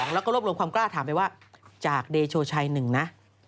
แล้วก็รวบรวมความกล้าถามไปว่าจากเดโชชัยหนึ่งนะ